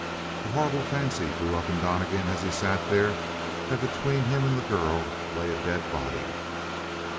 A horrible fancy grew up in Donnegan, as he sat there, that between him and the girl lay a dead body.